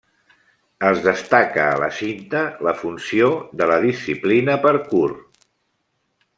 Es destaca a la cinta la funció de la disciplina parkour.